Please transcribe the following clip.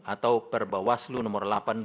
atau perbawah selu no delapan dua ribu delapan belas